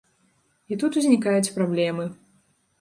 І тут узнікаюць праблемы.